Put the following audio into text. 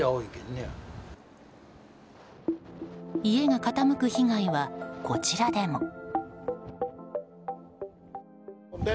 家が傾く被害はこちらでも。